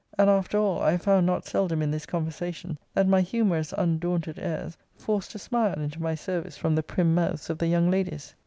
And, after all, I found not seldom in this conversation, that my humourous undaunted airs forced a smile into my service from the prim mouths of the young ladies.